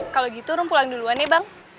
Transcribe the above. kalau gitu rum pulang duluan nih bang